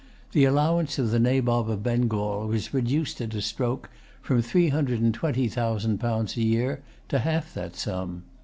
The allowance of the Nabob of Bengal was reduced at a stroke from three hundred and twenty thousand pounds a year to half that sum.